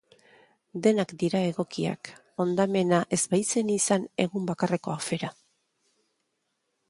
Denak dira egokiak, hondamena ez baitzen izan egun bakarreko afera.